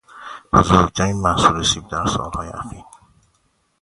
بزرگترین محصول سیب در سالهای اخیر